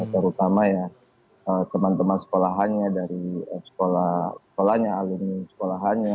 terutama ya teman teman sekolahannya dari sekolah sekolahnya alumni sekolahannya